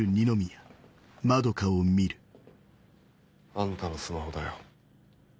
あんたのスマホだよ。